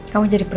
kamu jadi pergi